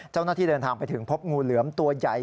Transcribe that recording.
เจ้าหน้าที่เดินทางไปถึงพบงูเหลือมตัวใหญ่